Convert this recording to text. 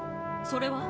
それは？